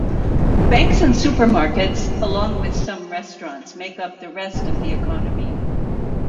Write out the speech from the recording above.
Banks and supermarkets along with some restaurants make up the rest of the economy.